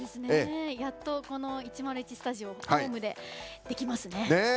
やっと１０１スタジオ、ホームでできますね。